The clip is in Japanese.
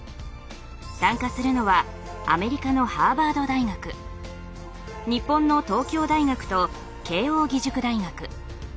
参加するのはアメリカのハーバード大学日本の東京大学と慶應義塾大学。